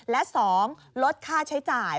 และ๒ลดค่าใช้จ่าย